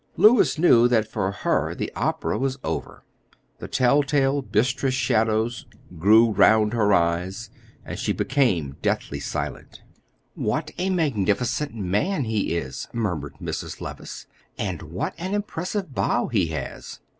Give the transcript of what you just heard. Louis knew that for her the opera was over; the tell tale bistrous shadows grew around her eyes, and she became deadly silent. "What a magnificent man he is," murmured Mrs. Levice, "and what an impressive bow he has!"